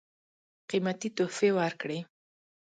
قېمتي تحفې ورکړې.